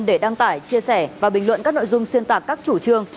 để đăng tải chia sẻ và bình luận các nội dung xuyên tạc các chủ trương